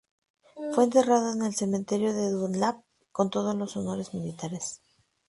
Fue enterrado en el cementerio de Dunlap con todos los honores militares.